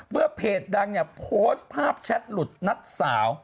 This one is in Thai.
เมื่อเพจดังโพสต์ภาพแชทหลุดนัดสาว